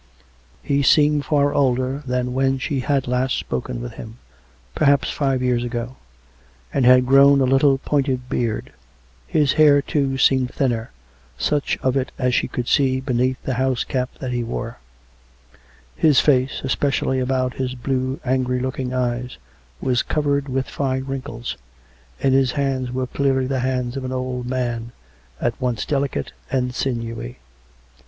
He seemed far older than when she had last spoken with him, perhaps five years ago ; and had grown a little pointed beard ; his hair, too, seemed thinner — such of it as she could see beneath the house cap that he wore ; his face, especially about his blue, angry looking eyes, was covered with fine wrinkles, and his hands were clearly the hands of an old man, at once delicate and sinewy.